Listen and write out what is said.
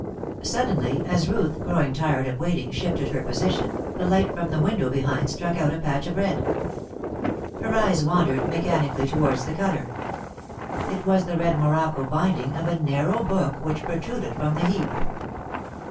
Suddenly as Ruth, growing tired of waiting, shifted her position, the light from the window behind struck out a patch of red. Her eyes wandered mechanically towards the colour. It was the red morocco binding of a narrow book which protruded from the heap.